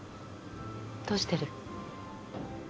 どうしてる？